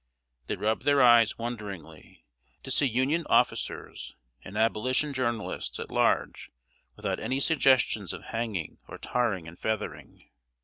They rubbed their eyes wonderingly, to see Union officers and Abolition journalists at large without any suggestions of hanging or tarring and feathering.